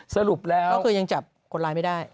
สรุปแล้วก็คือยังจับคนร้ายไม่ได้